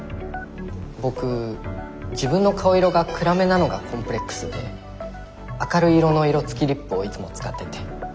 僕自分の顔色が暗めなのがコンプレックスで明るい色の色つきリップをいつも使ってて。